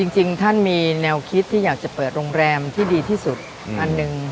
จริงท่านมีแนวคิดที่อยากจะเปิดโรงแรมที่ดีที่สุดอันหนึ่ง